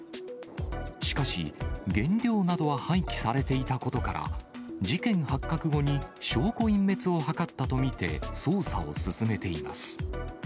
しかし、原料などは廃棄されていたことから、事件発覚後に、証拠隠滅を図ったと見て捜査を進めています。